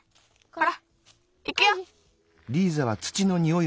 ほらいくよ！